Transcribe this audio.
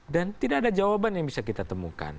dan tidak ada jawaban yang bisa kita temukan